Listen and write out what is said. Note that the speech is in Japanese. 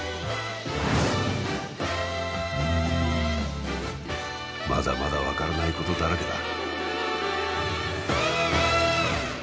うんまだまだ分からないことだらけだ！